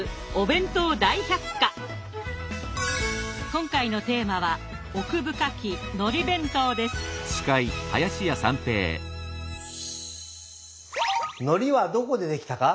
今回のテーマはのりはどこでできたか？